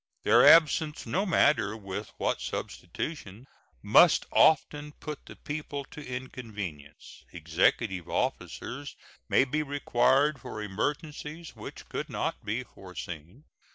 Their absence, no matter with what substitution, must often put the people to inconvenience. Executive officers may be required for emergencies which could not be foreseen.